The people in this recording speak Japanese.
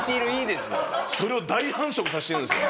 それを大繁殖させてるんですよ。